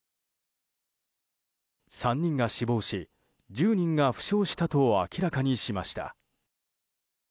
３人が死亡し１０人が負傷したと明らかにしました。